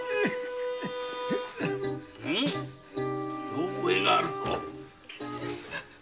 見覚えがあるぞ。